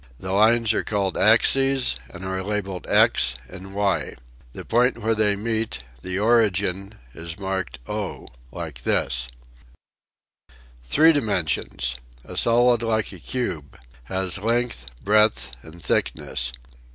The lines are called axes and are labeled x and y. The point where they meet, the origin, is marked O. Like this Three dimensions: A solid like a cube. Has length, breadth and thickness.